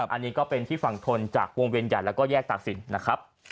อันนี้ก็เป็นที่ฝั่งทนจากวงเวียนใหญ่แล้วก็แยกตากศิลป์นะครับ